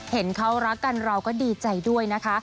เห็นเขารักกันเราก็ดีใจด้วยนะคะ